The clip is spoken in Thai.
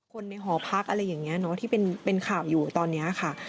คนในหอพักอะไรอย่างนี้เนอะที่เป็นข่าวอยู่ตอนนี้ค่ะ